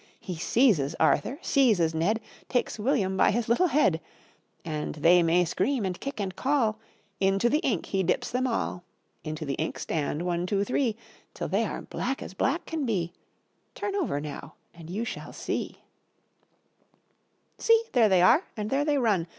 He seizes Arthur, seizes Ned, Takes William by his little head; And they may scream and kick and call, Into the ink he dips them all; Into the inkstand, one, two, three, Till they are black as black can be; Turn over now, and you shall see. See, there they are, and there they run!